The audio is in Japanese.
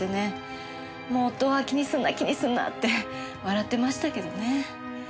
もう夫は気にするな気にするなって笑ってましたけどね。